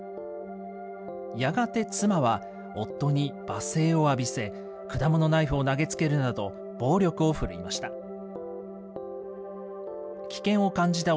やがて妻は、夫にば声を浴びせ、果物ナイフを投げつけるなど、暴力をふるいました。